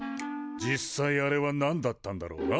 実際あれはなんだったんだろうな。